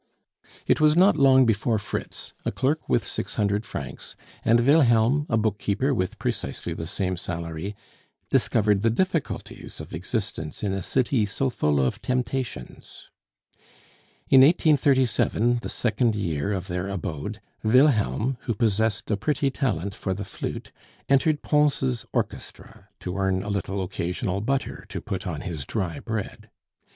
It was not long before Fritz, a clerk with six hundred francs, and Wilhelm, a book keeper with precisely the same salary, discovered the difficulties of existence in a city so full of temptations. In 1837, the second year of their abode, Wilhelm, who possessed a pretty talent for the flute, entered Pons' orchestra, to earn a little occasional butter to put on his dry bread.